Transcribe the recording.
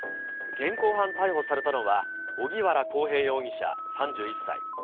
現行犯逮捕されたのは、荻原航平容疑者３１歳。